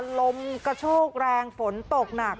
ลมกระโชกแรงฝนตกหนัก